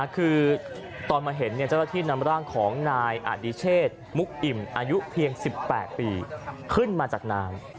คือตอนมาเห็นเจ้าหน้าที่นำร่างของนายอดิเชษมุกอิ่มอายุเพียง๑๘ปีขึ้นมาจากน้ำ